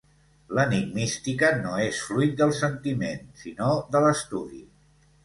L'Enigmística no és fruit del sentiment, sinó de l'estudi.